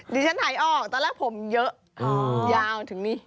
ตอนแรกผมเหลือเยอะยาวถึงนี่